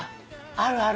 あるある。